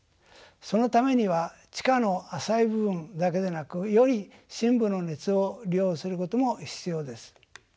そのためには地下の浅い部分だけでなくより深部の熱を利用することも必要です。